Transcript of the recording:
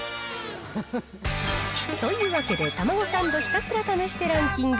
というわけで、たまごサンドひたすら試してランキング。